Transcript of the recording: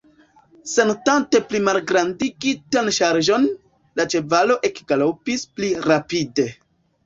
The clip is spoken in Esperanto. Sentante plimalgrandigitan ŝarĝon, la ĉevalo ekgalopis pli rapide.